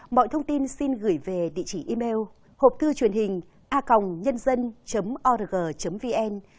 mọi thông tin xin gửi về địa chỉ email hộp thư truyền hình a nhân dân org vn